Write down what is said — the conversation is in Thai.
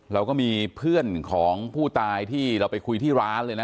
เราก็มีเพื่อนของผู้ตายที่เราไปคุยที่ร้านเลยนะ